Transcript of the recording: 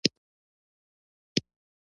منابع څنګه وکاروو؟